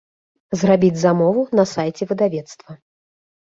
Зрабіць замову на сайце выдавецтва.